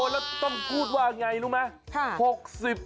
แล้วต้องพูดว่าอย่างไรรู้ไหม